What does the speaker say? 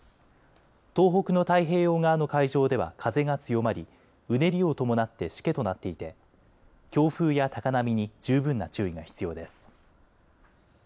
東北の太平洋側の海上では風が強まり、うねりを伴ってしけとなっていて強風や高波に十分な注意が必要です。